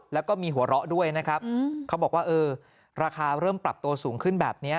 แล้วก็มีหัวเราะด้วยนะครับเขาบอกว่าเออราคาเริ่มปรับตัวสูงขึ้นแบบนี้